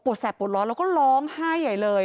ปวดแสดปวดร้อนเราก็ร้องห้าใหญ่เลย